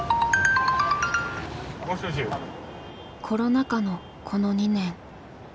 コロナ禍のこの２年。